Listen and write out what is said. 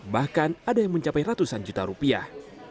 bahkan ada yang mencapai ratusan juta rupiah